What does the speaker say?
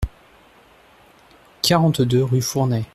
quarante-deux rue Fournet